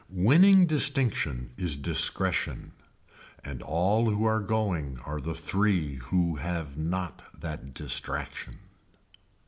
Winning distinction is discretion and all who are going are the three who have not that distraction.